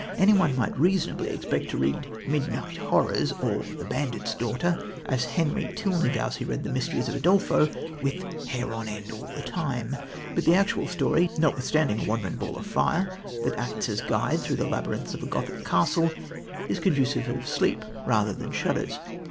Anyone might reasonably expect to read Midnight Horrors, or The Bandit's Daughter, as Henry Tilney vows he read The Mysteries of Udolpho, with "hair on end all the time"; but the actual story, notwithstanding a wandering ball of fire, that acts as guide through the labyrinths of a Gothic castle, is conducive of sleep rather than shudders.